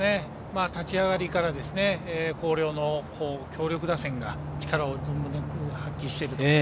立ち上がりから広陵の強力打線が力を存分に発揮していると。